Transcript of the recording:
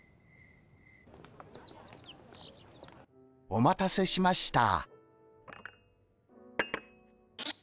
お待たせしました。